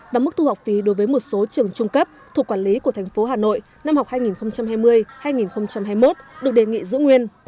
và mức thu học phí đối với một số trường trung cấp thuộc quản lý của thành phố hà nội năm học hai nghìn hai mươi hai nghìn hai mươi một được đề nghị giữ nguyên